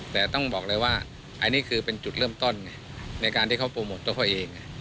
แต่ต้องบอกเลยว่าอันนี้คือเป็นจุดเริ่มต้นไงในการที่เขาโปรโมทตัวเขาเอง